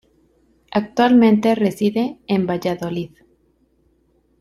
Actualmente reside en Valladolid.